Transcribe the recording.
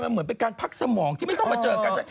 เหมือนเป็นการพักสมองที่ไม่ต้องมาเจอกัน